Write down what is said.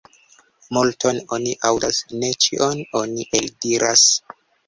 Multon oni aŭdas, ne ĉion oni eldiras.